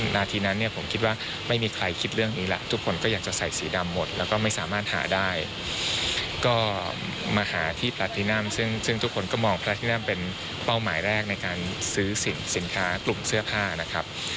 นาทีนั้นเนี่ยผมคิดว่าไม่มีใครคิดเรื่องนี้แหละทุกคนก็อยากจะใส่สีดำหมดแล้วก็ไม่สามารถหาได้ก็มาหาที่ปลาตินัมซึ่งทุกคนก็มองพระที่นั่นเป็นเป้าหมายแรกในการซื้อสินค้ากลุ่มเสื้อผ้านะครับ